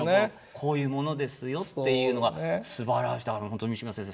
「こういうものですよ」っていうのがすばらしい本当に三島先生